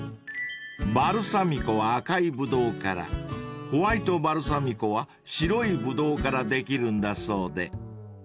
［バルサミコは赤いブドウからホワイトバルサミコは白いブドウからできるんだそうで］